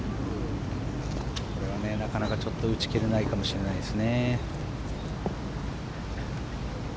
これはなかなか打ち切れないかもしれないですね。